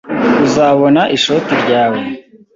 Uzabona ishoti ryawe.